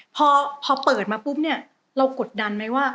พอเปิดมาปุ๊บเนี่ยเรากดดันไหมว่า